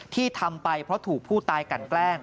ที่ทำไปเพราะถูกผู้ตายกันแกล้ง